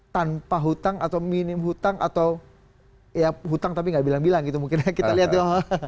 tanpa hutang atau minim hutang atau ya hutang tapi nggak bilang bilang gitu mungkin ya kita lihat yuk